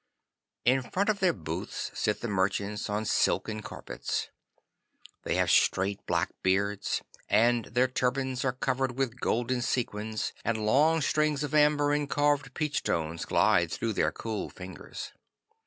In front of their booths sit the merchants on silken carpets. They have straight black beards, and their turbans are covered with golden sequins, and long strings of amber and carved peach stones glide through their cool fingers.